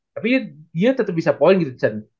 tapi dia tetep bisa point gitu kan